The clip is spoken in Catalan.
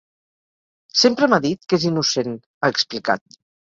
Sempre m’ha dit que és innocent, ha explicat.